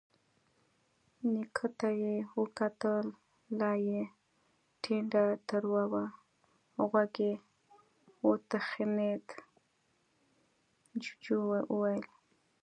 نيکه ته يې وکتل، لا يې ټنډه تروه وه. غوږ يې وتخڼېد، جُوجُو وويل: